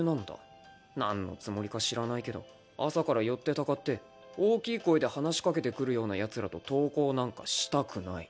何のつもりか知らないけど朝から寄ってたかって大きい声で話し掛けてくるようなやつらと登校なんかしたくない。